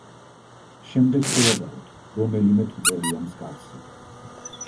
შემდეგ შევადაროთ, რომელიმე თუ წერია მსგავსი.